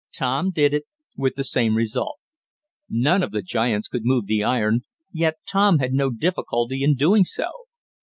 Tom did it, with the same result. None of the giants could move the iron, yet Tom had no difficulty in doing so.